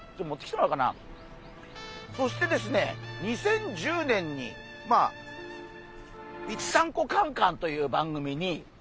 そしてですね２０１０年にまあ「ぴったんこカン・カン」という番組に。